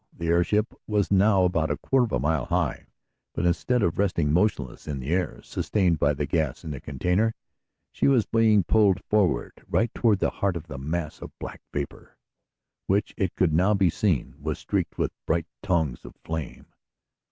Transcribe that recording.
The airship was now about a quarter of a mile high, but instead of resting motionless in the air, sustained by the gas in the container, she was being pulled forward, right toward the heart of the mass of black vapor, which it could now be seen was streaked with bright tongues of flame.